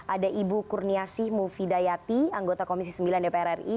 ada ibu kurniasih mufidayati anggota komisi sembilan dpr ri